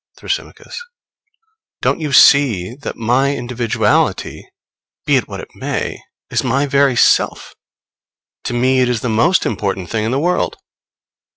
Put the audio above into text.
Thrasymachos. Don't you see that my individuality, be it what it may, is my very self? To me it is the most important thing in the world.